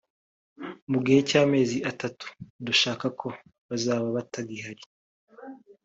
Mu gihe cy’amezi atatu dushaka ko bazaba batagihari